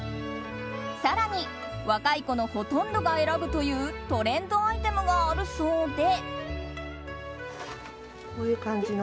更に、若い子のほとんどが選ぶというトレンドアイテムがあるそうで。